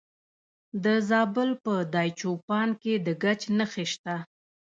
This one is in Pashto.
د زابل په دایچوپان کې د ګچ نښې شته.